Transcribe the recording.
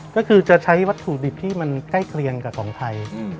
ก็คือจะใช้วัตถุดิบที่มันใกล้เคียงกับของไทย